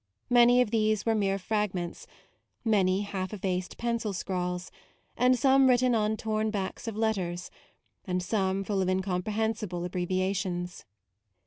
Many of these were mere fragments, many half effaced pencil scrawls, and some written on torn backs of letters, and some full of incomprehensible abbre viations.